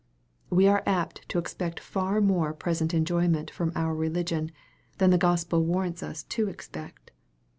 We are apt to expect far more present enjoy ment from our religion, than the Gospel warrants us to expect.